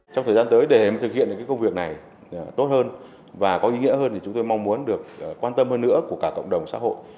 trong thời gian tới để thực hiện công việc này tốt hơn và có ý nghĩa hơn thì chúng tôi mong muốn được quan tâm hơn nữa của cả cộng đồng xã hội